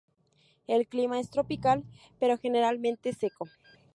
El clima es tropical pero generalmente seco.